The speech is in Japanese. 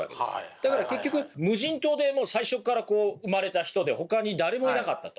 だから結局無人島で最初から生まれた人でほかに誰もいなかったと。